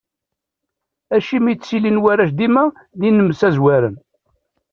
Acimi i ttilin warrac dima d inemsazwaren?